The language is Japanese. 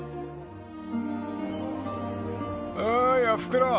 ［おーいおふくろ！］